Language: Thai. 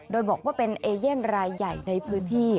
โดยบอกว่าเป็นเอเย่นรายใหญ่ในพื้นที่